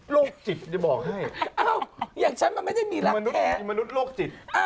โรคจิตจะบอกให้อย่างฉันมันไม่ได้มีรักแท้มนุษย์โรคจิต